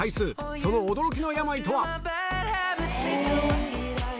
その驚きの病とは？